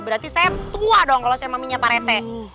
berarti saya tua dong kalau saya maminya pak rt